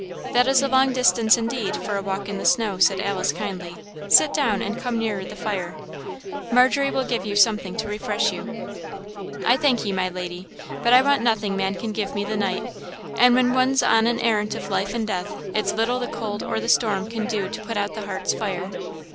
"That is a long distance, indeed, for a walk in the snow," said Alice, kindly; "sit down, and come nearer the fire. Margery will give you something to refresh you." "I thank ye, my lady, but I want nothing man can give me the night; and when one's on an arrant of life and death, it's little the cold or the storm can do to put out the heart's fire."